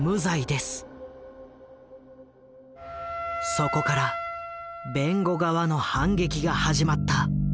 そこから弁護側の反撃が始まった。